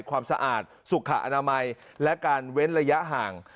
ความสะอาดสุขอนามัยและการเว้นระยะห่าง